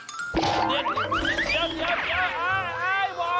เย็น